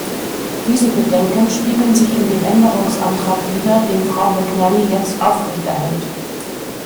Diese Bedenken spiegeln sich in dem Änderungsantrag wider, den Frau McNally jetzt aufrechterhält.